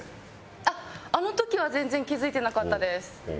あっあの時は全然気付いてなかったです。